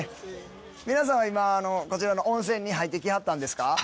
皆さん今こちらの温泉に入ってきはったんですか？